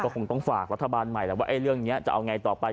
คงต้องฝากรัฐบาลใหม่แล้วว่าเรื่องนี้จะเอาไงต่อไป